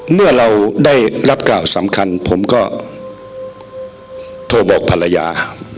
เมื่อเราได้รับกล่าวสำคัญผมก็โทรบอกภรรยา